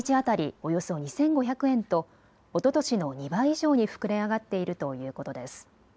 およそ２５００円とおととしの２倍以上に膨れ上がっているということです。